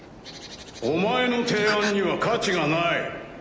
お前の提案には価値がない。